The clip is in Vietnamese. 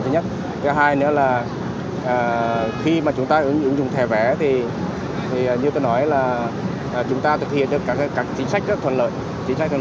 cái hai nữa là khi mà chúng ta ứng dụng thẻ vé thì như tôi nói là chúng ta thực hiện được các chính sách thuận lợi